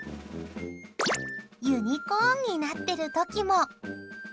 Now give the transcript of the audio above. ユニコーンになっている時も。